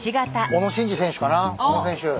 小野選手。